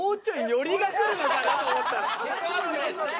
寄りくるのかなと思ったら。